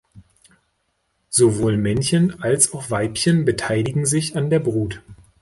Sowohl Männchen als auch Weibchen beteiligen sich an der Brut.